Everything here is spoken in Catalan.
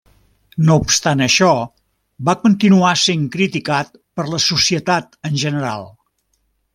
No obstant això, va continuar sent criticat per la societat en general.